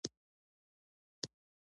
نه یې په اړه مخکې اورېدلي وو.